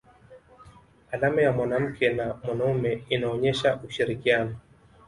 alama ya mwanamke na mwanaume inaonesha ushirikiano